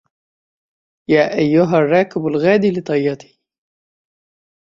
يا أيها الراكب الغادي لطيته